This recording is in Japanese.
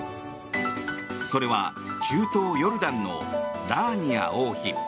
それは、中東ヨルダンのラーニア王妃。